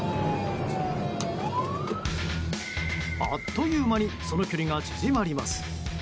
あっという間にその距離が縮まります。